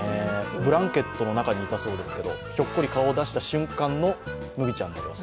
ブランケットの中にいたそうですけどひょっこり顔を出した瞬間のむぎちゃんの様子。